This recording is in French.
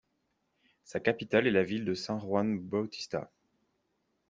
Sa capitale est la ville de San Juan Bautista.